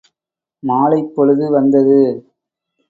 மாலைப் பொழுது வந்தது.